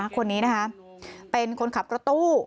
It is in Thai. คนนี้นะคะเป็นคนขับรถตู้